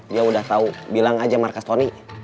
dia udah tau bilang aja markas tony